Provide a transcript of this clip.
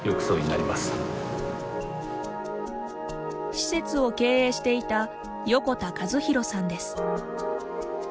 施設を経営していた横田和広さんです。